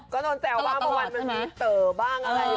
ก็โดนแจวบ้างเพราะวันมันมีเต๋อบ้างอะไรบ้าง